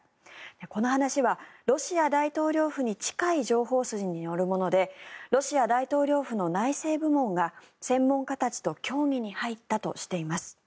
この話はロシア大統領府に近い情報筋によるものでロシア大統領府の内政部門が専門家たちと協議に入ったとしています。